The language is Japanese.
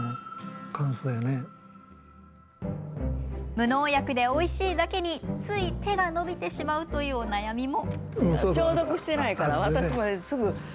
無農薬でおいしいだけについ手が伸びてしまうお悩みも。